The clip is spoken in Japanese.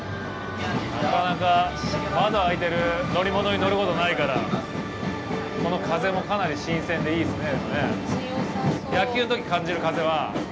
なかなか窓の開いてる乗り物に乗ることがないから、この風もかなり新鮮で、いいですね。